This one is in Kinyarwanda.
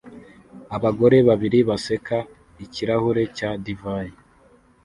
Abagore babiri baseka ikirahure cya divayi